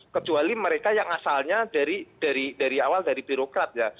kecuali mereka yang asalnya dari awal dari birokrat ya